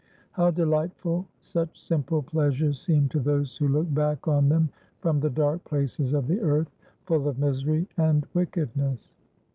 How delightful such simple pleasures seem to those who look back on them from the dark places of the earth, full of misery and wickedness!